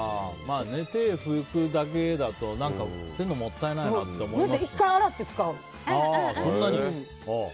手を拭くだけだと捨てるのもったいないなって１回洗って使う。